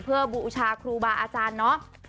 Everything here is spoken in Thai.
เพื่อบูชาครูบาอาจารย์เนาะ